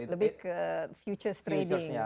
lebih ke futures trading